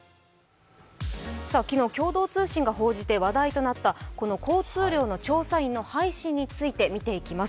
昨日、共同通信が報じて話題となったこの交通量の調査員の廃止についてです。